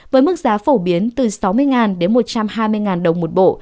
với mức giá phổ biến từ sáu mươi đến một trăm hai mươi đồng một bộ